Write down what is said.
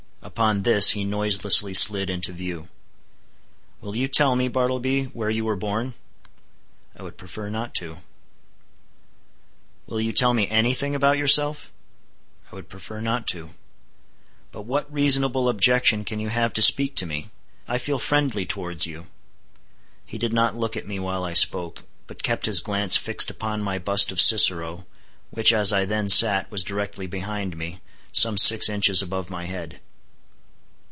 Upon this he noiselessly slid into view. "Will you tell me, Bartleby, where you were born?" "I would prefer not to." "Will you tell me any thing about yourself?" "I would prefer not to." "But what reasonable objection can you have to speak to me? I feel friendly towards you." He did not look at me while I spoke, but kept his glance fixed upon my bust of Cicero, which as I then sat, was directly behind me, some six inches above my head.